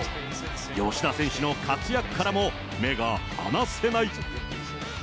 吉田選手の活躍からも、目が離せない。